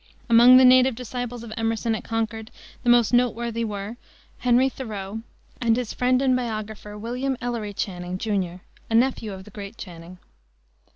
Among the native disciples of Emerson at Concord the most noteworthy were Henry Thoreau, and his friend and biographer, William Ellery Channing, Jr., a nephew of the great Channing.